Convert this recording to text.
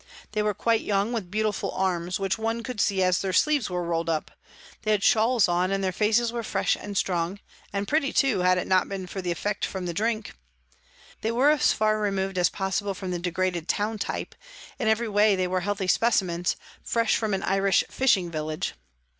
They were quite young, with beautiful arms, which one could see as their sleeves were rolled up ; they had shawls on, and their faces were fresh and strong, and pretty, too, had it not been for the effect of the drink ; they were as far removed as possible from the degraded town type, in every way they were healthy specimens, fresh from an Irish fishing 252 PRISONS AND PRISONERS village.